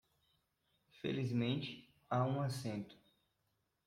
Felizmente, há um assento